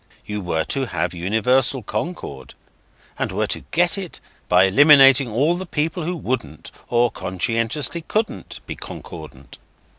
You were to have universal concord, and were to get it by eliminating all the people who wouldn't, or conscientiously couldn't, be concordant.